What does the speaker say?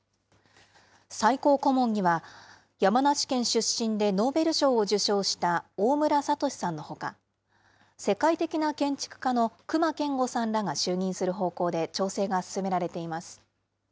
最高顧問には、山梨県出身でノーベル賞を受賞した大村智さんのほか、世界的な建築家の隈研吾さんらが就任する方向で調整が進められています。